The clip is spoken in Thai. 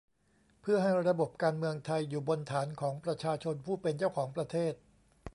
เพื่อให้ระบบการเมืองไทยอยู่บนฐานของประชาชนผู้เป็นเจ้าของประเทศ